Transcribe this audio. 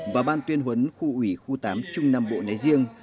và ban tuyên huấn khu ủy khu tám trung nam bộ nói riêng